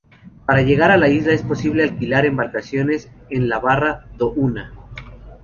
Para llegar a la isla, es posible alquilar embarcaciones en la Barra do Una.